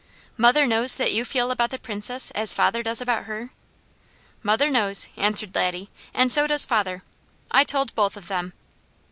"Mother knows that you feel about the Princess as father does about her?" "Mother knows," answered Laddie, "and so does father. I told both of them."